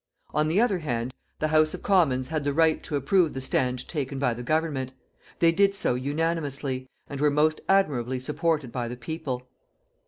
On the other hand, the House of Commons had the right to approve the stand taken by the Government. They did so unanimously, and were most admirably supported by the people.